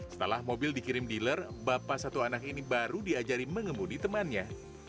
setelah mobil dikirim dealer bapak satu anak ini baru diajari mengemudi temannya